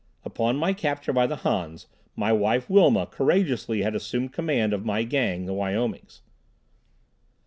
Upon my capture by the Hans, my wife, Wilma, courageously had assumed command of my Gang, the Wyomings.